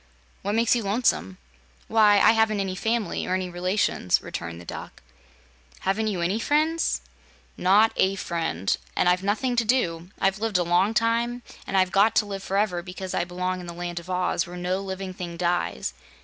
What makes you lonesome?" "Why, I haven't any family or any relations," returned the Duck. "Haven't you any friends?" "Not a friend. And I've nothing to do. I've lived a long time, and I've got to live forever, because I belong in the Land of Oz, where no living thing dies.